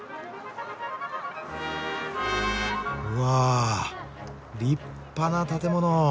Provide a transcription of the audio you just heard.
うわ立派な建物。